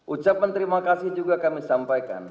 ucapan terima kasih juga kami sampaikan